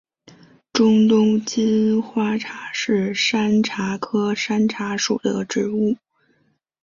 中东金花茶是山茶科山茶属的植物。